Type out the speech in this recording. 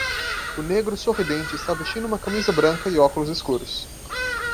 O negro sorridente está vestindo uma camisa branca e óculos escuros.